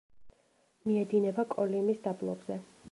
მიედინება კოლიმის დაბლობზე.